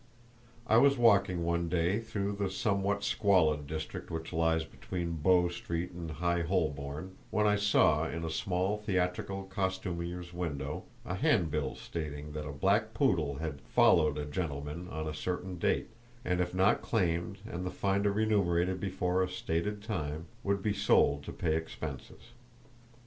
I was walking one day through the somewhat squalid district which lies between Bow Street and High Holborn, when I saw, in a small theatrical costumer's window, a hand bill stating that a black poodle had "followed a gentleman" on a certain date, and if not claimed and the finder remunerated before a stated time would be sold to pay expenses.